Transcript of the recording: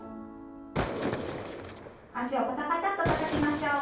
脚をパタパタッとたたきましょう。